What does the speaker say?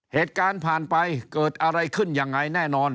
เหตุการณ์ผ่านไปเกิดอะไรขึ้นยังไงแน่นอน